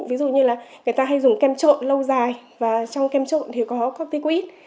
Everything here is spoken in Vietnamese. ví dụ như là người ta hay dùng kem trộn lâu dài và trong kem trộn thì có corpicid